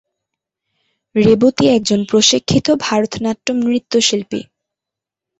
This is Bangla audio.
রেবতী একজন প্রশিক্ষিত ভারতনাট্যম নৃত্যশিল্পী।